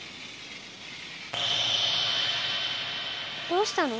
どうしたの？